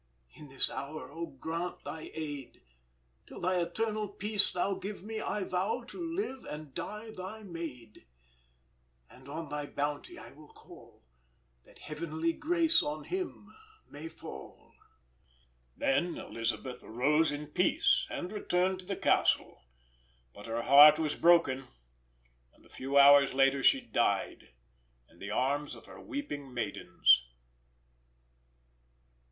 In this hour, oh grant thy aid! Till thy eternal peace thou give me. I vow to live and die thy maid, And on thy bounty I will call, That heavenly grace on him may fall." Then Elisabeth arose in peace and returned to the Castle; but her heart was broken, and a few hours later she died in the arms of her weeping maidens.